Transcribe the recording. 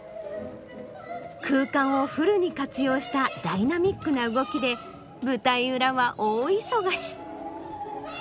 空間をフルに活用したダイナミックな動きで舞台裏は大忙し。